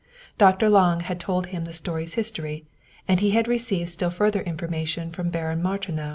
Dr. Lange had told him the singer's his tory, and he had received still further information from Baron Martinow.